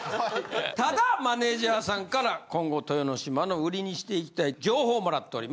ただマネジャーさんから今後豊ノ島の売りにしていきたい情報をもらっております。